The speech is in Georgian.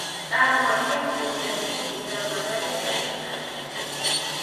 წარმოადგენს ბეზენგის უზარმაზარი კედლის ნაწილს.